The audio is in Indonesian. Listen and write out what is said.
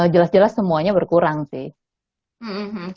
jelas jelas semuanya berkurang sih